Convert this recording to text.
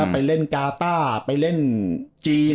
ไปเล่นกาต้าไปเล่นจีน